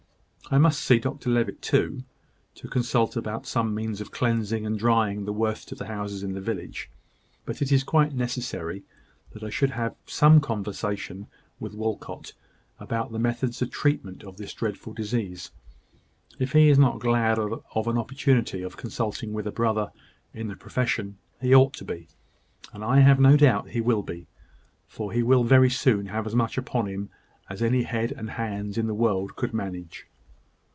"I must see Dr Levitt too, to consult about some means of cleansing and drying the worst of the houses in the village. But it is quite necessary that I should have some conversation with Walcot about the methods of treatment of this dreadful disease. If he is not glad of an opportunity of consulting with a brother in the profession, he ought to be and I have no doubt he will be; for he will very soon have as much upon him as any head and hands in the world could manage."